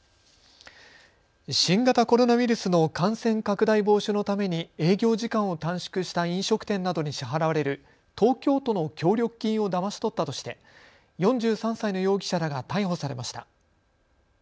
新型コロナウイルスの感染拡大防止のために営業時間を短縮した飲食店などに支払われる東京都の協力金をだまし取ったとして４３歳の容疑者らが逮捕されました。